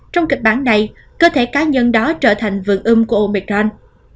trong kịch bản này cơ thể cá nhân đó trở thành vườn ưm của omicron